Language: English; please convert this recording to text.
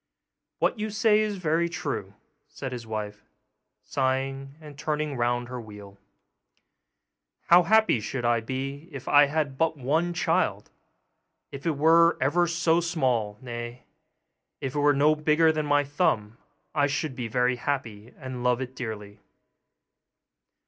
'What you say is very true,' said the wife, sighing, and turning round her wheel; 'how happy should I be if I had but one child! If it were ever so small nay, if it were no bigger than my thumb I should be very happy, and love it dearly.